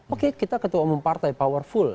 oke kita ketua umum partai powerful